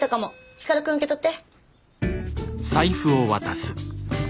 光くん受け取って。